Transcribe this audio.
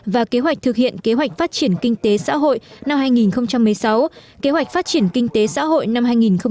và kế hoạch thực hiện kế hoạch phát triển kinh tế xã hội năm hai nghìn một mươi sáu kế hoạch phát triển kinh tế xã hội năm hai nghìn hai mươi